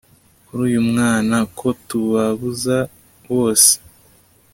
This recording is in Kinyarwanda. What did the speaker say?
kuri uyu mwana ko tubabuze bose